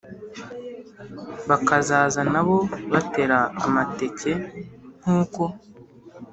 bakazaza na bo batera amateke nk’uko,